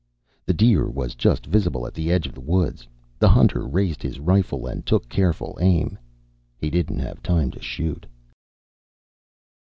The deer was just visible at the edge of the woods. The hunter raised his rifle, and took careful aim. He didn't have time to shoot.